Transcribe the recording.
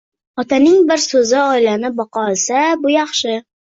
Otaning bir o‘zi oilani boqa olsa, bu yaxshi